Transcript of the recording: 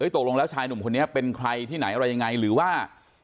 ตกลงแล้วชายหนุ่มคนนี้เป็นใครที่ไหนอะไรยังไงหรือว่า